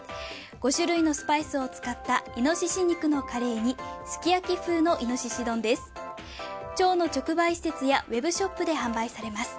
５種類のスパイスを使ったイノシシ肉のカレーにすき焼き風のイノシシ丼です。